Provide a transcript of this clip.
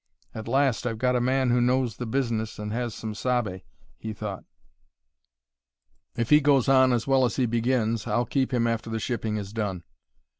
"At last I've got a man who knows the business and has some sabe," he thought. "If he goes on as well as he begins I'll keep him after the shipping is done."